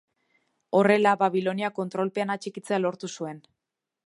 Horrela, Babilonia kontrolpean atxikitzea lortu zuen.